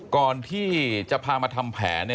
ก่อนที่จะพามาทำแผน